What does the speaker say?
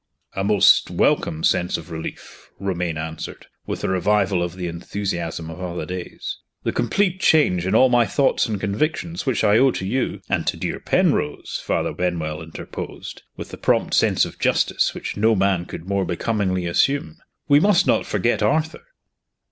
"A most welcome sense of relief," Romayne answered, with a revival of the enthusiasm of other days. "The complete change in all my thoughts and convictions which I owe to you " "And to dear Penrose," Father Benwell interposed, with the prompt sense of justice which no man could more becomingly assume. "We must not forget Arthur."